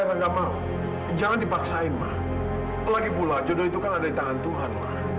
yang enggak mau jangan dipaksain lagi pula jodoh itu kan ada di tangan tuhan